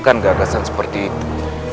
bukan gagasan seperti itu